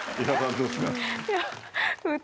どうですか？